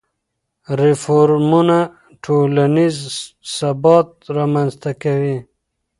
ریفورمونه ټولنیز ثبات رامنځته کوي.